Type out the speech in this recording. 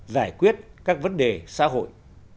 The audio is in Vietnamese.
giải quyết các vấn đề xã hội